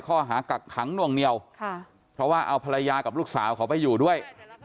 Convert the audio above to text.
กักขังนวงเหนียวเพราะว่าเอาภรรยากับลูกสาวเขาไปอยู่ด้วย